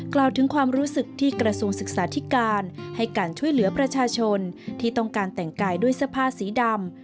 กล่าวถึงความรู้สึกที่กระทรวงศึกษาธิการให้การช่วยเหลือประชาชนที่ต้องการแต่งกายด้วยเสื้อผ้าสีดำ